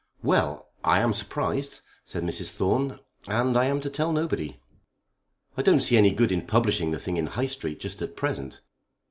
"Well, I am surprised," said Mrs. Thorne. "And I am to tell nobody." "I don't see any good in publishing the thing in High Street just at present."